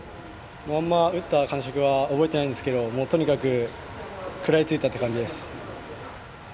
あんま打った感触は覚えてないんですけどとにかく食らいついたという感じです。